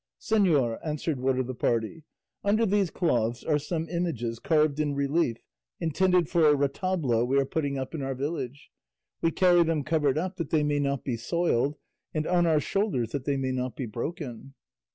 "Señor," answered one of the party, "under these cloths are some images carved in relief intended for a retablo we are putting up in our village; we carry them covered up that they may not be soiled, and on our shoulders that they may not be broken."